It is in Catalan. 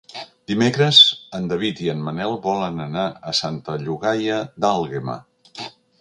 Dimecres en David i en Manel volen anar a Santa Llogaia d'Àlguema.